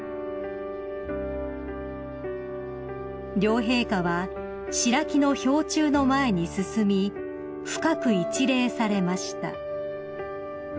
［両陛下は白木の標柱の前に進み深く一礼されました］